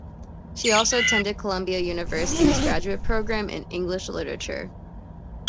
She also attended Columbia University's graduate program in English literature.